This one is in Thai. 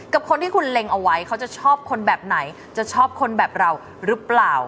กับคนที่คุณเล็งเอาไว้เขาจะชอบคนแบบไหนจะชอบคนแบบเราหรือเปล่า